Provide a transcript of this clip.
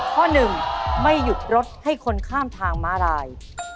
ข้อหนึ่งไม่หยุดรถให้คนข้ามทางม้าลาย